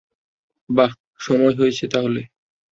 বাহ, সময় হয়েছে তাহলে!